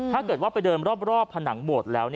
ถ้าเกิดว่าไปเดินรอบผนังโบสถ์แล้ว